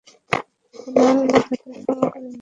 ফলে আল্লাহ্ তাকে ক্ষমা করে দেন।